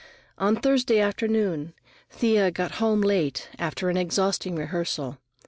On Thursday afternoon Thea got home late, after an exhausting rehearsal.